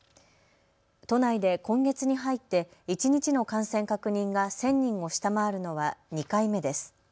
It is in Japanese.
都内で今月に入って一日の感染確認が１０００人を下回るのは２回目です。